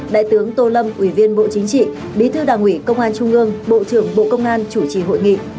đại tướng tô lâm ủy viên bộ chính trị bí thư đảng ủy công an trung ương bộ trưởng bộ công an chủ trì hội nghị